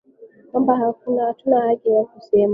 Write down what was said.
Kwamba hatuna haki ya kusema